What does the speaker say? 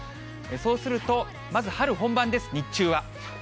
そうすると、まず春本番です、日中は。